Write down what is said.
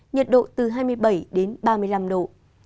nhiệt độ từ hai mươi bảy đến ba mươi năm độ